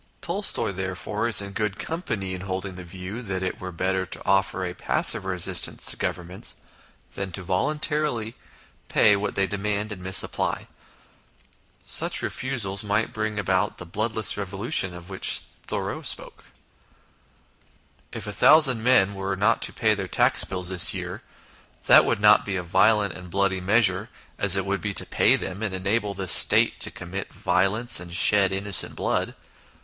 Tolstoy, therefore, is in good company in holding the view that it were better to offer a passive resistance to Governments than volun tarily to pay what they demand and misapply. Such refusals might bring about the bloodless revolution of which Thoreau spoke " If a thousand men were not to pay their tax bills this year, that would not be a violent and bloody measure, as it would be to pay them, and enable the State to commit violence and shed innocent blood.